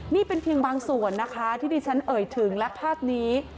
นี่เป็นเพียงบางส่วนนะคะที่ดิฉันเอ่ยถึงและภาพนี้